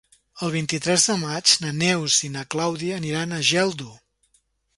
El vint-i-tres de maig na Neus i na Clàudia aniran a Geldo.